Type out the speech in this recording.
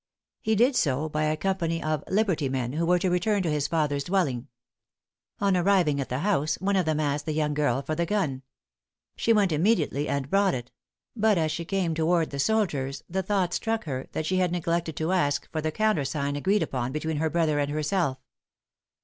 He did so, by a company of "liberty men," who were to return by his father's dwelling. On arriving at the house, one of them asked the young girl for the gun. She went immediately, and brought it; but as she came towards the soldiers, the thought struck her that she had neglected to ask for the countersign agreed upon between her brother and herself.